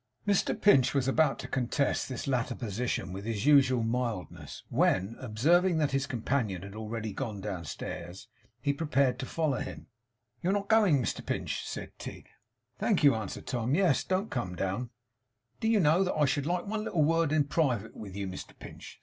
Mr Pinch was about to contest this latter position with his usual mildness, when, observing that his companion had already gone downstairs, he prepared to follow him. 'You are not going, Mr Pinch?' said Tigg. 'Thank you,' answered Tom. 'Yes. Don't come down.' 'Do you know that I should like one little word in private with you Mr Pinch?